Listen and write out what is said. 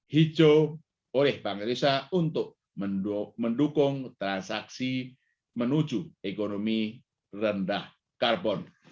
hijau oleh bank indonesia untuk mendukung transaksi menuju ekonomi rendah karbon